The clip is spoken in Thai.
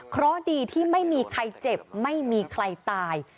เพราะดีที่ไม่มีใครเจ็บไม่มีใครตาย